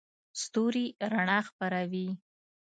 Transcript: ستوري رڼا خپروي.